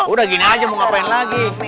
udah gini aja mau ngapain lagi